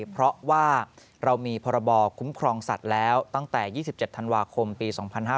เพราะว่าเรามีพรบคุ้มครองสัตว์แล้วตั้งแต่๒๗ธันวาคมปี๒๕๕๙